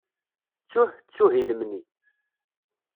Ttuh, ttuh i lemni.